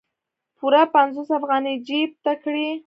پوره پنځوس افغانۍ یې جیب ته کړې.